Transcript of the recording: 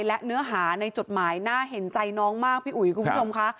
และเนื้อหาในจดหมายน่าเห็นใจน้องมากพี่อุ๋ยคุณผู้ชมค่ะ